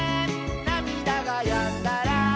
「なみだがやんだら」